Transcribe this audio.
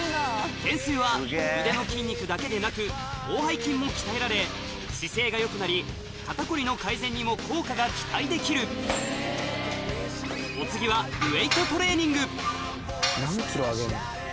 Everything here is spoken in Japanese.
懸垂は腕の筋肉だけでなく広背筋も鍛えられ姿勢がよくなり肩こりの改善にも効果が期待できるお次は何ｋｇ上げんの？